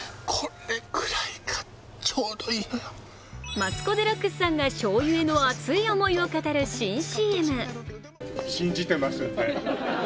マツコ・デラックスさんが、しょうゆへの熱い思いを語る新ＣＭ。